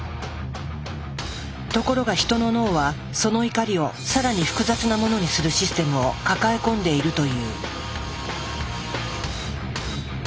ところがヒトの脳はその怒りをさらに複雑なものにするシステムを抱え込んでいるという。